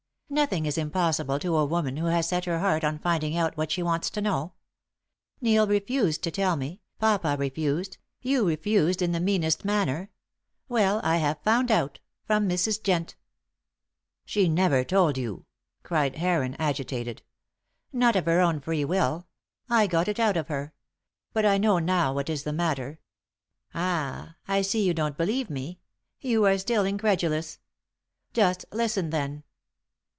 "Nothing is impossible to a woman who has set her heart on finding out what she wants to know. Neil refused to tell me, papa refused, you refused in the meanest manner. Well, I have found out from Mrs. Jent." "She never told you!" cried Heron, agitated. "Not of her own free will. I got it out of her. But I know now what is the matter. Ah, I see you don't believe me; you are still incredulous. Just listen, then.